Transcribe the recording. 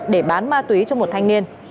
để bán ma túy cho một thanh niên